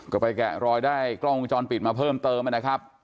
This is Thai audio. ก็ไปแกะรอยได้กล้องวงจรปิดมาเพิ่มเติมนะครับ